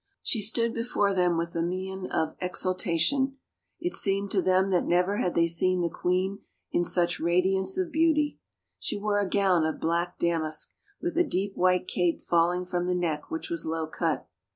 She stood before them with a mien of exalta tion; it seemed to them that never had they seen the queen in such radiance of beauty. She wore a gown of black damask, with a deep white cape falling from the neck which was low cut.